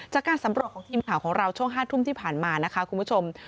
จากการสำรวจของทีมข่าวของเราช่วง๕ทุ่มที่ผ่านมานะคะคุณผู้ชม